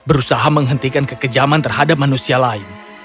berusaha menghentikan kekejaman terhadap manusia lain